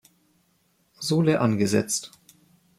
Sohle angesetzt.